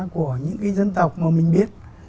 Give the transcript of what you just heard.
của những cái dân tộc mà mình biết